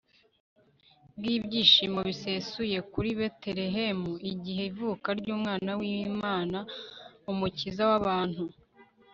bw'ibyishimo bwisesuye kuri betelehemu, igihe ivuka ry'umwana w'imana umukiza w'abantu